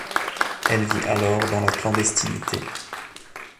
Elle vit alors dans la clandestinité.